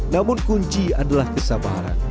namun kunci adalah kesabaran